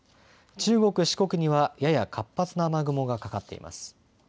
中国・四国にはやや活発な雨雲がかかっています。